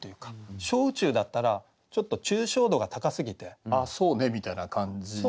「小宇宙」だったらちょっと抽象度が高すぎて「ああそうね」みたいな感じになっちゃう。